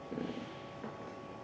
không có một cái bức xúc